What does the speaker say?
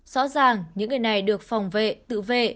rõ ràng những người này được phòng vệ tự vệ